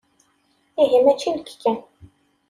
Ihi mačči nekk kan.